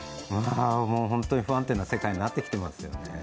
本当に不安定な世界になってきてますよね。